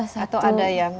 satu ada yang